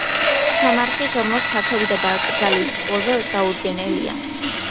სამარხის ორმოს ფართობი და დაკრძალვის პოზა დაუდგენელია.